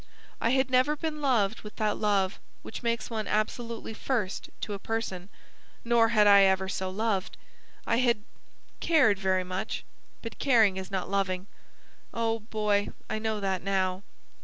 "I had never been loved with that love which makes one absolutely first to a person, nor had I ever so loved. I had cared very much; but caring is not loving. Oh, Boy, I know that now!"